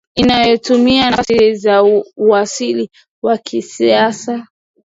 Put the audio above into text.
inayotumia nafasi za usaili wa kisasa